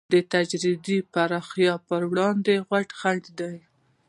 د تدریجي پراختیا پر وړاندې غټ خنډ دی.